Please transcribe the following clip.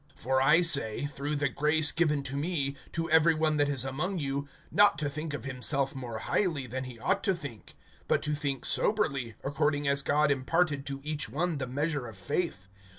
(3)For I say, through the grace given to me, to every one that is among you, not to think of himself more highly than he ought to think; but to think soberly, according as God imparted to each one the measure of faith.